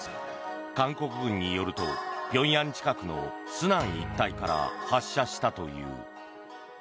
韓国軍によると平壌近くのスナン一帯から発射したという。